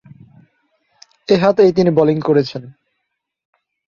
এ হাতেই তিনি বোলিং করেছেন।